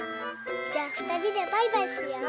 じゃあふたりでバイバイしよう。